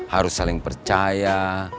harus saling percaya